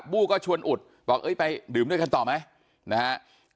ู้ก็ชวนอุดบอกเอ้ยไปดื่มด้วยกันต่อไหมนะฮะ